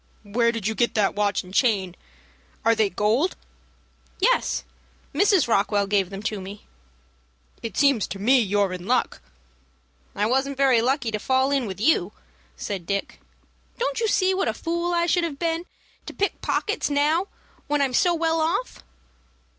"Where did you get that watch and chain? Are they gold?" "Yes, Mrs. Rockwell gave them to me." "It seems to me you're in luck." "I wasn't very lucky to fall in with you," said Dick. "Don't you see what a fool I should be to begin to pick pockets now when I am so well off?"